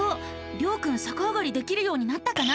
りょうくんさかあがりできるようになったかな？